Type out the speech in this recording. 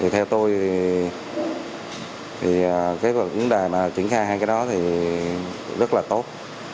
thì cái vấn đề mà triển khai hai cái đó thì rất là tốt